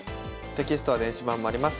テキストは電子版もあります。